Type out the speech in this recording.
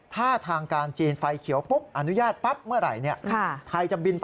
ถ้าทางการจีนไฟเขียวปุ๊บอนุญาตปั๊บเมื่อไหร่เนี่ย